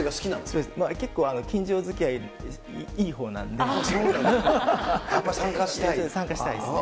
そうです、結構近所づきあいそうなんだ、やっぱり参加し参加したいですね。